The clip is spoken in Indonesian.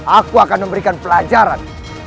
aku akan memberikan pelajaran